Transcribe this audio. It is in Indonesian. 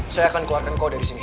saya akan keluarkan kau dari sini